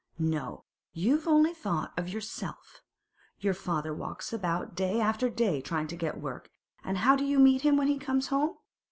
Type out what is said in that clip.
No; you've only thought of yourself. Your father walks about day after day trying to get work, and how do you meet him when he comes home?